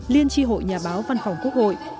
liên tri hội nhà báo văn phòng quốc hội